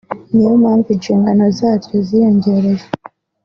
niyo mpamvu inshingano zaryo ziyongereye